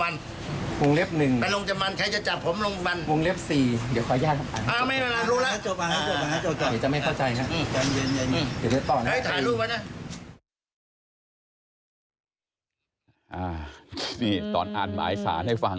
นี่ตอนอ่านหมายสารให้ฟัง